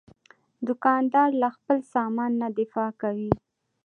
دوکاندار له خپل سامان نه دفاع کوي.